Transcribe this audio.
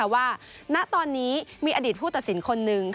ณตอนนี้มีอดีตผู้ตัดสินคนหนึ่ง